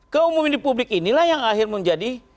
keumuman di publik inilah yang akhir menjadi